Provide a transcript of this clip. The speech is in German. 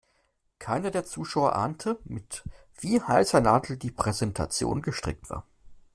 Keiner der Zuschauer ahnte, mit wie heißer Nadel die Präsentation gestrickt war.